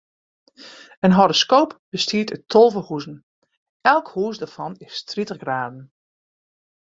In horoskoop bestiet út tolve huzen, elk hûs dêrfan is tritich graden.